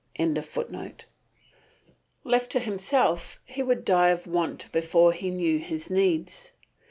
] left to himself he would die of want before he knew his needs.